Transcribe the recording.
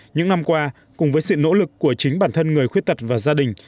những năm qua cùng với sự nỗ lực của chính bản thân người khuyết tật và gia đình